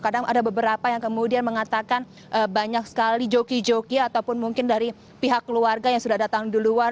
kadang ada beberapa yang kemudian mengatakan banyak sekali joki joki ataupun mungkin dari pihak keluarga yang sudah datang duluan